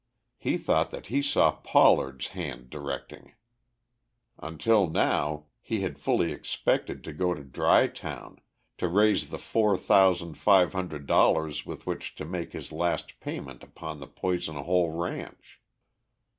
He thought that he saw Pollard's hand directing. Until now he had fully expected to go to Dry Town, to raise the four thousand five hundred dollars with which to make his last payment upon the Poison Hole ranch.